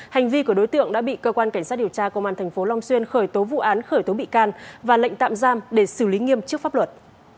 hành vi của đối tượng đã bị cơ quan cảnh sát điều tra công an tp long xuyên khởi tố vụ án khởi tố bị can và lệnh tạm giam để xử lý nghiêm trước pháp luật